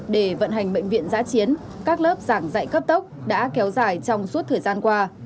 để vận hành bệnh viện giã chiến các lớp giảng dạy cấp tốc đã kéo dài trong suốt thời gian qua